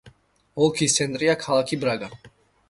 ოლქის ცენტრია ქალაქი ბრაგა.